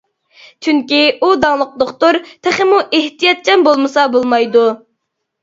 چۈنكى ئۇ داڭلىق دوختۇر تېخىمۇ ئېھتىياتچان بولمىسا بولمايدۇ.